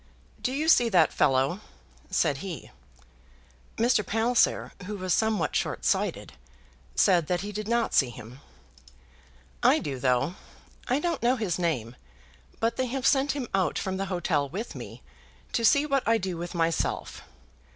"Do you see that fellow?" said he. Mr. Palliser, who was somewhat short sighted, said that he did not see him. "I do, though. I don't know his name, but they have sent him out from the hotel with me, to see what I do with myself.